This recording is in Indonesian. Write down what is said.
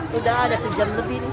sudah ada sejam lebih